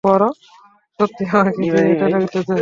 আমরা কি সত্যিই আমাকে দিয়ে এটা লেখাতে চাই?